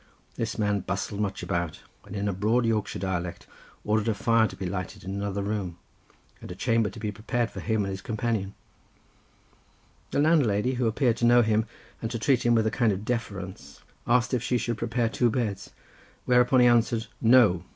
This man bustled much about, and in a broad Yorkshire dialect ordered a fire to be lighted in another room, and a chamber to be prepared for him and his companion; the landlady, who appeared to know him, and to treat him with a kind of deference, asked if she should prepare two beds; whereupon he answered "No!